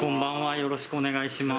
よろしくお願いします。